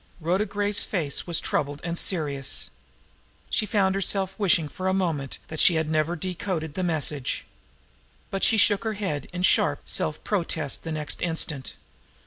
Rhoda Gray's face was troubled and serious. She found herself wishing for a moment that she had never decoded the message. But she shook her head in sharp self protest the next instant.